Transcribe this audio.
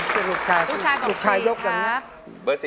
เป็นลูกชายลูกชายยกแบบนี้